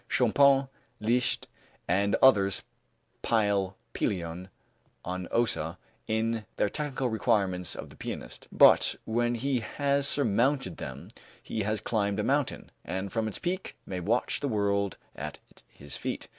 Chopin, Liszt and others pile Pelion on Ossa in their technical requirements of the pianist; but when he has surmounted them, he has climbed a mountain, and from its peak may watch the world at his feet.